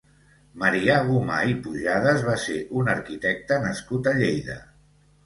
Marià Gomà i Pujades va ser un arquitecte nascut a Lleida.